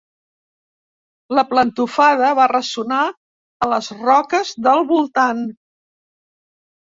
La plantofada va ressonar a les roques del voltant.